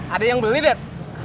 ada yang beli dad